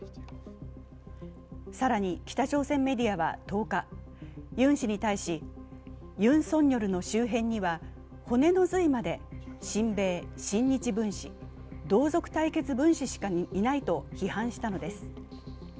更に北朝鮮メディアは１０日、ユン氏に対しユン・ソンニョルの周辺には骨の髄まで親米・親日分子、同族対決分子しかいないと批判したのです。